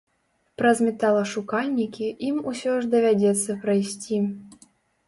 Праз металашукальнікі ім усё ж давядзецца прайсці.